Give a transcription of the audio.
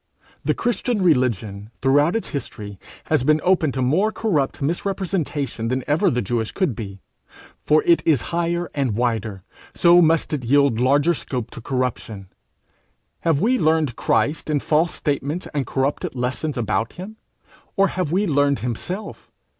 The Christian religion, throughout its history, has been open to more corrupt misrepresentation than ever the Jewish could be, for as it is higher and wider, so must it yield larger scope to corruption: have we learned Christ in false statements and corrupted lessons about him, or have we learned himself?